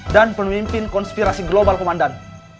dan pemimpin konspirasi global komandan